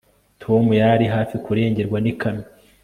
Tom yari hafi kurengerwa nikamyo